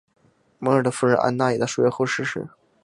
摩尔的夫人安娜也在数月后逝世。